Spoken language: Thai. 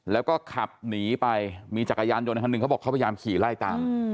แล้วก็ขับหนีไปมีจักรยานยนต์คันหนึ่งเขาบอกเขาพยายามขี่ไล่ตาม